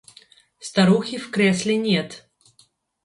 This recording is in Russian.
Старухи в кресле нет.